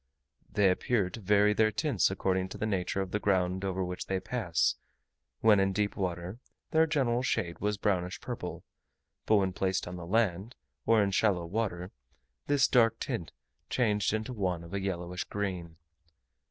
They appear to vary their tints according to the nature of the ground over which they pass: when in deep water, their general shade was brownish purple, but when placed on the land, or in shallow water, this dark tint changed into one of a yellowish green.